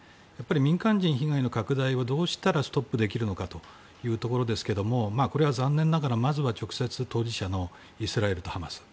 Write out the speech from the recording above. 民間人被害の拡大をどうしたらストップできるのかというところですけどもこれは残念ながら、直接当事者のイスラエルと話す。